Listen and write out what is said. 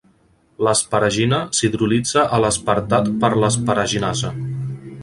L'asparagina s'hidrolitza a l'aspartat per l'asparaginasa.